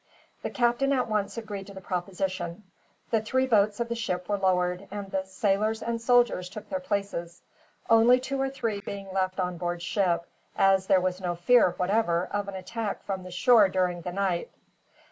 The captain at once agreed to the proposition. The three boats of the ship were lowered, and the sailors and soldiers took their places; only two or three being left on board ship, as there was no fear, whatever, of an attack from the shore during the night.